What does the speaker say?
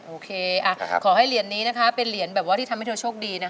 โอเคขอให้เหรียญนี้นะคะเป็นเหรียญแบบว่าที่ทำให้เธอโชคดีนะคะ